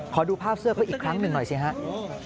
ขอดูภาพเสื้อเขาอีกครั้งหนึ่งหน่อยสิครับ